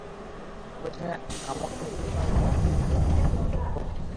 তার পেছনে Amr ibnul As এবং উসমান বিন তালহা প্রবেশ করেন।